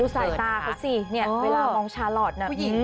ดูสายตาเขาสิเนี่ยเวลามองชาลอทเนี่ย